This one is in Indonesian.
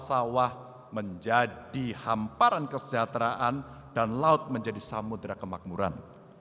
sawah menjadi hamparan kesejahteraan dan laut menjadi samudera kemakmuran